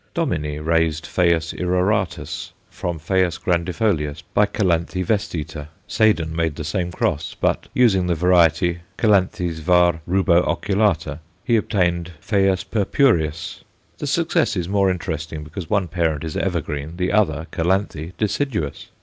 Dominy raised Ph. irroratus from Ph. grandifolius × Cal. vestita; Seden made the same cross, but, using the variety Cal. v. rubro occulata, he obtained Ph. purpureus. The success is more interesting because one parent is evergreen, the other, Calanthe, deciduous.